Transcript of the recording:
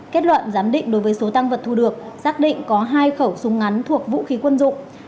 kết luận giám định đối với số tăng vật thu được xác định có hai khẩu súng ngắn thuộc vũ khí quân dụng